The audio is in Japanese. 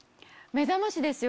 目覚ましですよ。